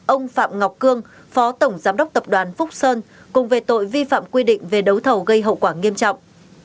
ông phạm ngọc cương phó tổng giám đốc tập đoàn phúc sơn cùng về tội vi phạm quy định về đấu thầu gây hậu quả nghiêm trọng